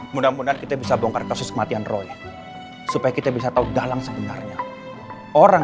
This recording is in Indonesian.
mudah mudahan kita bisa bongkar kasus kematian roy supaya kita bisa tahu dalang sebenarnya orang